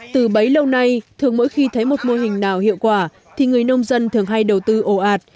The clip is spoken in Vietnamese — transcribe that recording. từ bấy lâu nay thường mỗi khi thấy một mô hình nào hiệu quả thì người nông dân thường hay đầu tư ổ ạt